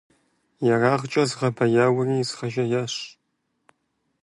Ерагъкӏэ згъэбэяури згъэжеящ.